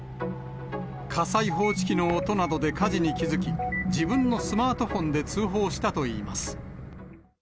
火災報知機の音などで火事に気付き、自分のスマートフォンで通報したといいます。